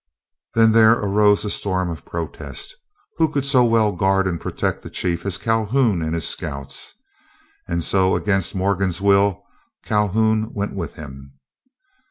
Then there arose a storm of protests. Who could so well guard and protect the chief as Calhoun and his scouts? And so, against Morgan's will, Calhoun went with him.